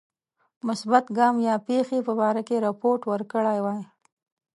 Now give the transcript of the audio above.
مثبت ګام یا پیښی په باره کې رپوت ورکړی وای.